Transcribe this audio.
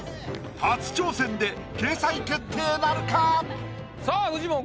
初挑戦で掲載決定なるか⁉さあフジモン